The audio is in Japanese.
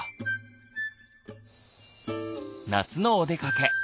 夏のおでかけ。